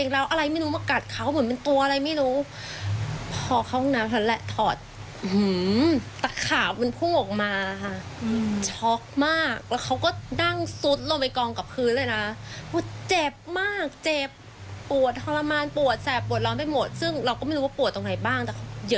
เราก็ไม่รู้ว่าปวดตรงไหนบ้างแต่เยอะโอ้โหเยอะโดยเฉพาะตรงอวัยวะอันทะ